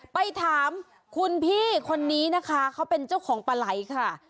ไปถามคุณพี่คนนี้นะคะเขาเป็นเจ้าของปลาไหล่ค่ะ